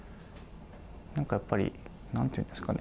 なんかやっぱり何て言うんですかね